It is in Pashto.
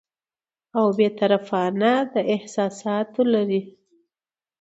او بې طرفانه، د احساساتو لرې